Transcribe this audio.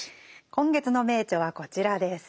今月の名著はこちらです。